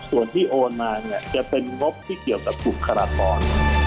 ส่วนที่โอนมาจะเป็นงบที่เกี่ยวกับภูมิคาระทร